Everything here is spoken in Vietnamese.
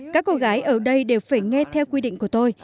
các cô gái ở đây đều phải nghe theo quy định của tôi